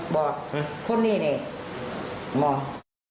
บอกคนนี้นี่มอง